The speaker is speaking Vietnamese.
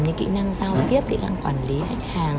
những kỹ năng giao tiếp kỹ năng quản lý khách hàng